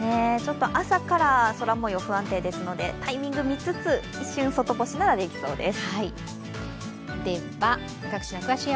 朝から空もよう不安定ですのでタイミング見つつ、一瞬外干しならできそうです。